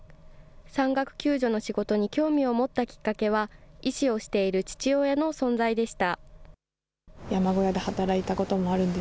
山岳救助の仕事に興味を持ったきっかけは、医師をしている父親の存在でした。